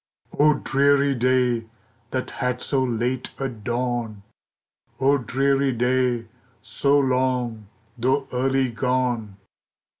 OH, dreary day, that had so late a dawn! Oh, dreary day, so long, though early gone!